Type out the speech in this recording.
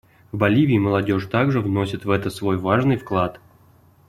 В Боливии молодежь также вносит в это свой важный вклад.